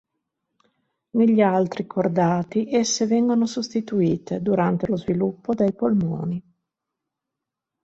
Negli altri cordati esse vengono sostituite, durante lo sviluppo, dai polmoni.